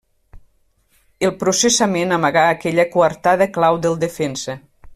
El processament amagà aquella coartada clau del defensa.